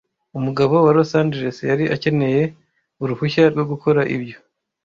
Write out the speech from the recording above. Umugabo wa Los Angeles yari akeneye uruhushya rwo gukora ibyo